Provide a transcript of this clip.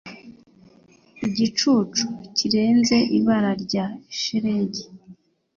Igicucu kirenze ibara rya shelegi